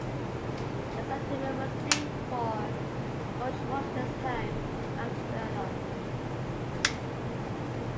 The settlement was named for George Washington's home, Mount Vernon.